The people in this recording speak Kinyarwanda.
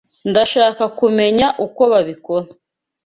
Ndashaka kumenya uko babikora.